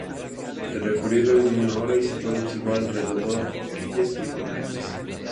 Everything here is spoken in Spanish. El recorrido es de una hora y se puede observar alrededor orquídeas y bromelias.